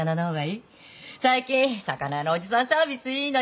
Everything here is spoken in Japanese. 最近魚屋のおじさんサービスいいのよ。